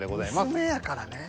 娘やからねぇ。